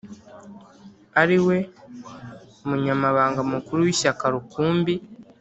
ari we munyabanga mukuru w'ishyaka rukumbi,